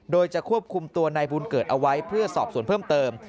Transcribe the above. โดยจะควบคุมตัวนายบุญเกิดเอาไว้เพื่อสอบส่วนเพิ่มเติม